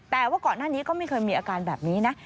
แต่ว่าก่อนหน้านี้ก็ไม่เคยมีอาการแบบนี้นะ